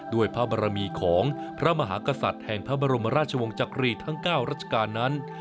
ด้วยพระบรมีของพระมหากษัตริย์แห่งพระบรมราชวงศ์จักรีทั้ง๙รัชกาลนั้น